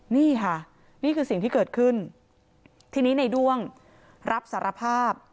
นี่ค่ะนี่คือสิ่งที่เกิดขึ้นทีนี้ในด้วงรับสารภาพ